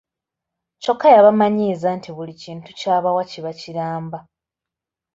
Kyokka yabamanyiiza nti buli kintu ky’abawa kiba kiramba.